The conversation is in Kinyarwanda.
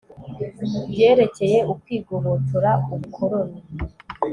byerekeye ukwigobotora ubukoloni